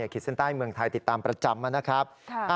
ขีดเส้นใต้เมืองไทยติดตามประจำนะครับ